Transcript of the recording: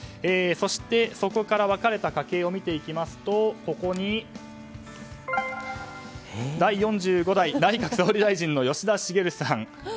そして、そこから分かれた家系を見ますとここに第４５代内閣総理大臣の吉田茂さん。